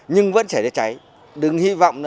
nhưng vẫn xảy ra cháy đừng hy vọng